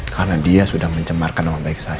karena dia sudah mencemarkan nama baik saya